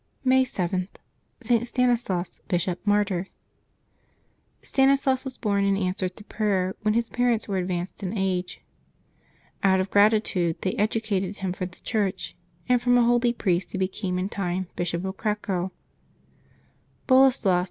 May 7.— ST. STANISLAS, Bishop, Martyr. [tanislas was born in answer to prayer when his par ents were advanced in age. Out of gratitude they educated him for the Church, and from a holy priest he became in time Bishop of Cracow. Boleslas II.